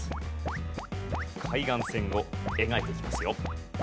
海岸線を描いていきますよ。